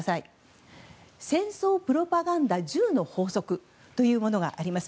「戦争プロパガンダ１０の法則」というものがあります。